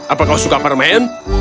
apakah kamu suka permen